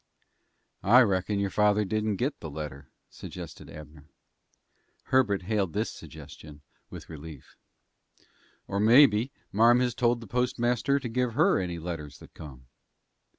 "I reckon your father didn't get the letter," suggested Abner. Herbert hailed this suggestion with relief. "Or, maybe, marm has told the postmaster to give her any letters that come."